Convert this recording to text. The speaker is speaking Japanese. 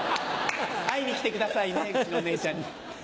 会いに来てくださいねうちのお姉ちゃんに。